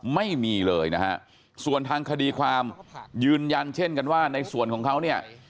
ไม่มีเลยนะฮะส่วนทางคดีความยืนยันเช่นกันว่าในส่วนของเขาเนี่ย